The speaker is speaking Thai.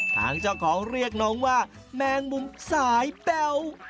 ทางเจ้าของเรียกน้องว่าแมงมุมสายแป๊ว